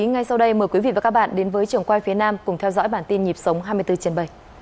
ngay sau đây mời quý vị và các bạn đến với trường quay phía nam cùng theo dõi bản tin nhịp sống hai mươi bốn trên bảy